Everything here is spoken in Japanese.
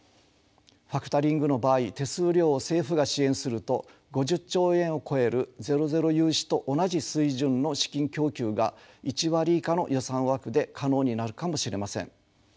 ファクタリングの場合手数料を政府が支援すると５０兆円を超えるゼロ・ゼロ融資と同じ水準の資金供給が１割以下の予算枠で可能になるかもしれません。